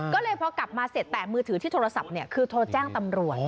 ก็เลยพอกลับมาเสร็จแต่มือถือที่โทรศัพท์คือโทรแจ้งตำรวจ